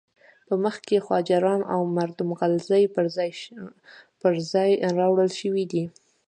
په مخ کې خواجه رام از مردم غلزی پر ځای راوړل شوی دی.